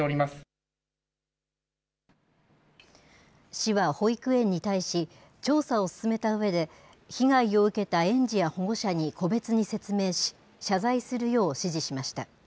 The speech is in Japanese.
市は保育園に対し、調査を進めたうえで、被害を受けた園児や保護者に個別に説明し、謝罪するよう指示しました。